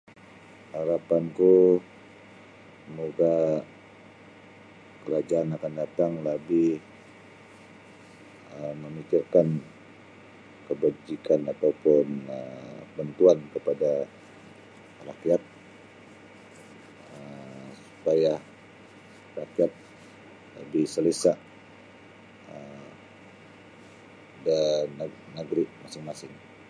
Arapanku moga kerajaan akan datang labih memikirkan kebajikan atau pun bantuan kepada rakyat supaya rakyat lebih selisa' um da nagri masing-masing.